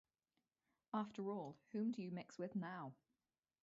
After all, whom do you mix with now?